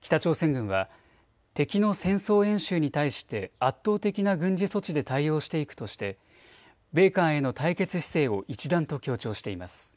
北朝鮮軍は敵の戦争演習に対して圧倒的な軍事措置で対応していくとして米韓への対決姿勢を一段と強調しています。